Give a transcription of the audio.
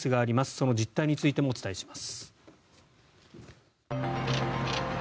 その実態についてもお伝えします。